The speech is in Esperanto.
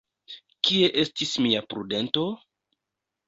Kie estis mia prudento?